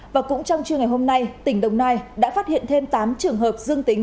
và cũng trong trưa ngày hôm nay tỉnh đồng nai đã phát hiện thêm tám trường hợp dương tính